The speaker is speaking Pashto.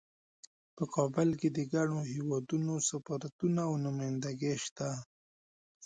په کابل کې د ګڼو هیوادونو سفارتونه او نمایندګۍ شته